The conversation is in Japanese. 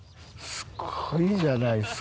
すごいじゃないですか。